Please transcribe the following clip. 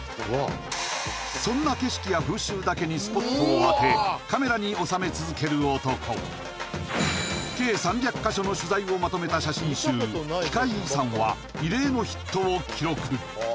そんな景色や風習だけにスポットを当てカメラに収め続ける男計３００カ所の取材をまとめた写真集「奇界遺産」は異例のヒットを記録